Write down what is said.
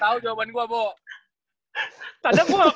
tau jawaban gua bo